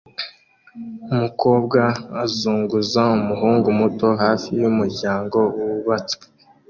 Umukobwa azunguza umuhungu muto hafi yumuryango wubatswe